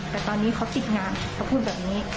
แต่ตอนนี้เขาติดงานเขาพูดแบบนี้